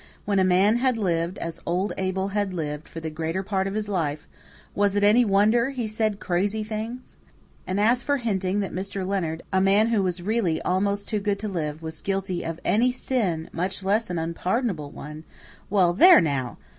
When a man had lived as old Abel had lived for the greater part of his life, was it any wonder he said crazy things? And as for hinting that Mr. Leonard, a man who was really almost too good to live, was guilty of any sin, much less an unpardonable one well, there now!